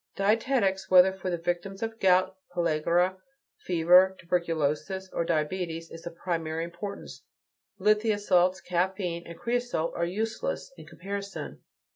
Dietetics, whether for the victims of gout, pellagra, fever, tuberculosis, or diabetes, is of primary importance; lithia salts, caffeine, and creosote are useless in comparison.